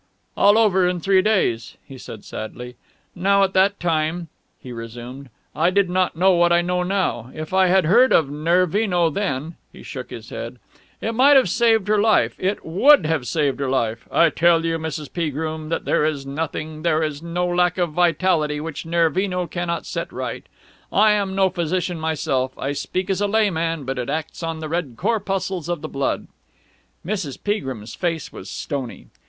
"All over in three days," he said sadly. "Now at that time," he resumed, "I did not know what I know now. If I had heard of Nervino then...." He shook his head. "It might have saved her life. It would have saved her life. I tell you, Mrs. Peagrim, that there is nothing, there is no lack of vitality which Nervino cannot set right. I am no physician myself, I speak as a layman, but it acts on the red corpuscles of the blood...." Mrs. Peagrim's face was stony.